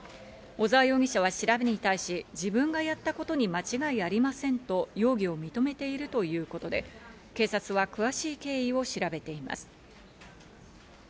小沢容疑者は調べに対し、自分がやったことに間違いありませんと容疑を認めているということで警察は詳しい経緯を調べています。